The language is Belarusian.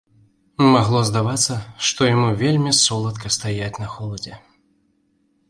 Магло здавацца, што яму вельмі соладка стаяць на холадзе.